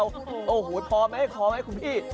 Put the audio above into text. โอ้โฮพอไหมพอไหมครับคุณพี่